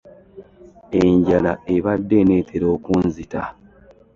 Enjala ebadde eneetera okunzita.